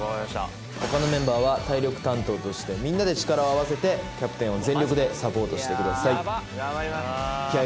他のメンバーは体力担当としてみんなで力を合わせてキャプテンを全力でサポートしてください。